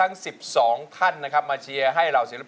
เพลงที่เจ็ดเพลงที่แปดแล้วมันจะบีบหัวใจมากกว่านี้